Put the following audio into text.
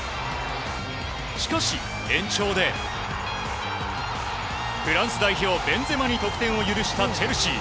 しかし、延長でフランス代表、ベンゼマに得点を許したチェルシー。